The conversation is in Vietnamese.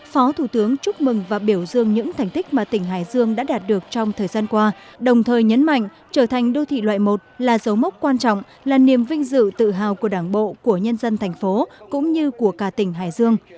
phó thủ tướng chúc mừng và biểu dương những thành tích mà tỉnh hải dương đã đạt được trong thời gian qua đồng thời nhấn mạnh trở thành đô thị loại một là dấu mốc quan trọng là niềm vinh dự tự hào của đảng bộ của nhân dân thành phố cũng như của cả tỉnh hải dương